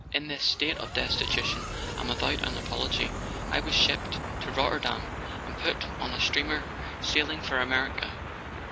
In this state of destitution, and without an apology, I was shipped to Rotterdam and put on a steamer sailing for America."